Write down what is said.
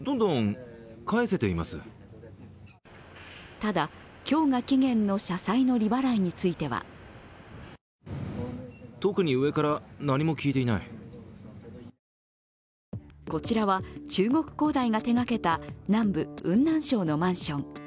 ただ、今日が期限の社債の利払いについてはこちらは中国恒大が手がけた南部、雲南省のマンション。